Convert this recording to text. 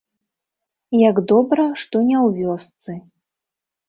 Як добра, што не ў вёсцы.